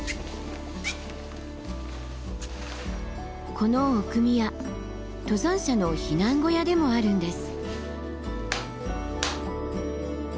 この奥宮登山者の避難小屋でもあるんです。